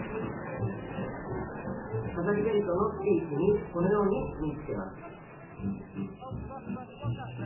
飾りベルトのつけ位置にこのように縫いつけます。